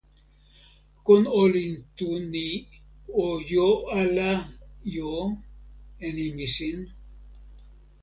kon olin tu ni o jo ala jo e nimi sin?